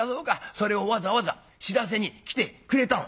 それをわざわざ知らせに来てくれたの？」。